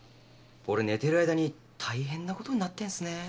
俺寝てる間に大変なことになってんすね。